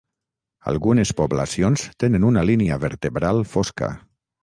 Algunes poblacions tenen una línia vertebral fosca.